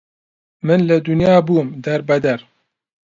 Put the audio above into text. من لە دونیا بوم دەر بەدەر